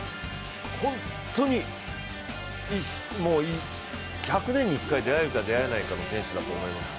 本当に１００年に一回、出会えるか出会えないかの選手だと思います。